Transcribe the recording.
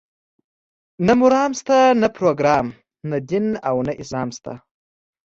نه مرام شته، نه پروګرام، نه دین او نه اسلام شته.